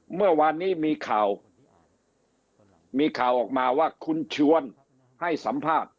เมื่อวานนี้มีข่าวมีข่าวออกมาว่าคุณชวนให้สัมภาษณ์